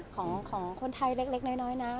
ของคนไทยเล็กน้อยนะ